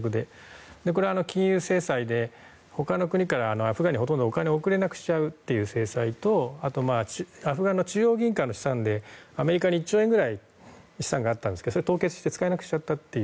これは金融制裁で他の国からアフガンにほとんどお金を送れなくしちゃうという制裁とあとはアフガンの中央銀行の資産でアメリカに１兆円くらい資産があったんですがそれを凍結して使えなくしてしまったと。